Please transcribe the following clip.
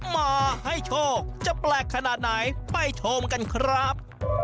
มาให้โชคจะแปลกขนาดไหนไปชมกันครับ